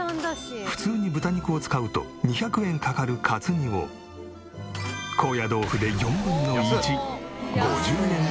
普通に豚肉を使うと２００円かかるカツ煮を高野豆腐で４分の１５０円で再現。